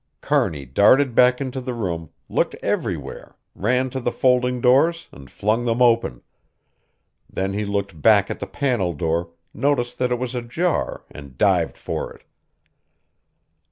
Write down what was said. Kearney darted back into the room, looked everywhere, ran to the folding doors and flung them open. Then he looked back at the panel door, noticed that it was ajar and dived for it.